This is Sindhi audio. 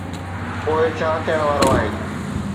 پوءِ ڇا ٿيڻ وارو آهي؟